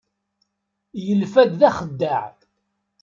Yelfa-d d axeddaɛ.